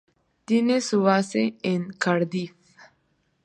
Tiene su base en Cardiff.